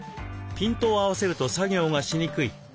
ピントを合わせると作業がしにくい。